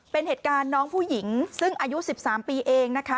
เป็นเหตุการณ์น้องผู้หญิงซึ่งอายุ๑๓ปีเองนะคะ